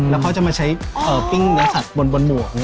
แล้วเขาจะมาใช้ปิ้งเนื้อสัตว์บนหมวก